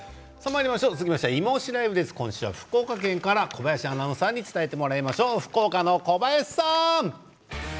続きましては「いまオシ！ＬＩＶＥ」です。今週は福岡県から小林アナウンサーに伝えてもらいましょう。